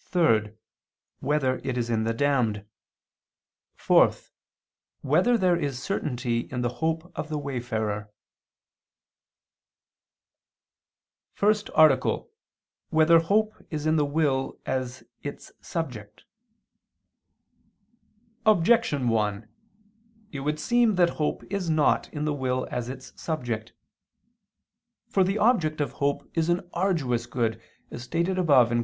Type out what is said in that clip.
(3) Whether it is in the damned? (4) Whether there is certainty in the hope of the wayfarer? _______________________ FIRST ARTICLE [II II, Q. 18, Art. 1] Whether Hope Is in the Will As Its Subject? Objection 1: It would seem that hope is not in the will as its subject. For the object of hope is an arduous good, as stated above (Q.